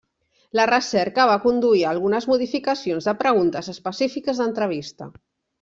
La recerca va conduir a algunes modificacions de preguntes específiques d'entrevista.